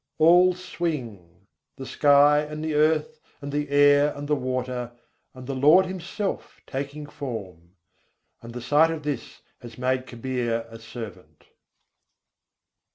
All swing! the sky and the earth and the air and the water; and the Lord Himself taking form: And the sight of this has made Kabîr a servant.